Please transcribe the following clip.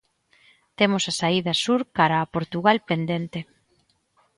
Temos a saída sur cara a Portugal pendente.